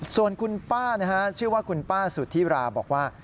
ส่วนคุณป้านะฮะชื่อว่าคุณป้าสุธิราบอกว่า